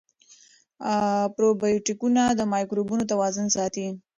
پروبیوتیکونه د مایکروبونو توازن ساتي.